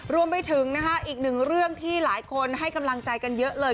รวมไปถึงนะคะอีกหนึ่งเรื่องที่หลายคนให้กำลังใจกันเยอะเลย